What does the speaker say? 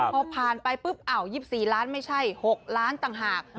พอผ่านไปปุ๊บ๒๔ล้านไม่ใช่๖ล้านต่างหาก